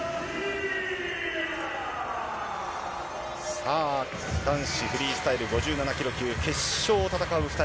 さあ、男子フリースタイル５７キロ級決勝を戦う２人。